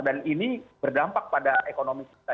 dan ini berdampak pada ekonomi kita